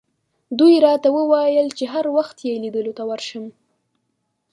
دوی راته وویل چې هر وخت یې لیدلو ته ورشم.